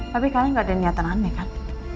tapi kalian gak ada niatan rame kan